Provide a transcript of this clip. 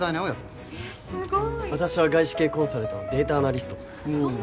すごい私は外資系コンサルトのデータアナリストそうなんですね